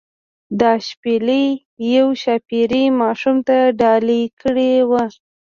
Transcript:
دا شپیلۍ یوې ښاپیرۍ ماشوم ته ډالۍ کړې وه.